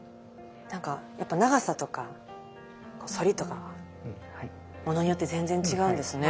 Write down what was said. なんか長さとか反りとかものによって全然違うんですね。